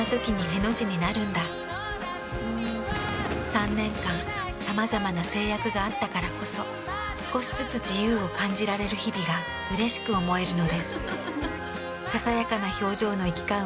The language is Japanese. ３年間さまざまな制約があったからこそ少しずつ自由を感じられる日々がうれしく思えるのです。